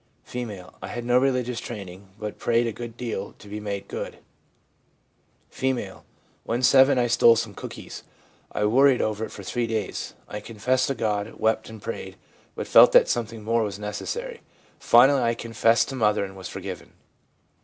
F. ' I had no religious training, but prayed a good deal to be made good.' F. 'When 7 I stole some cookies. I worried over it for three days. I confessed to God, wept and prayed, but felt that something more was necessary. Finally I confessed to mother, and was forgiven.'